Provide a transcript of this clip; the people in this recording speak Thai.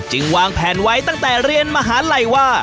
วางแผนไว้ตั้งแต่เรียนมหาลัยว่า